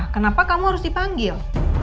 kenapa kamu harus dipanggil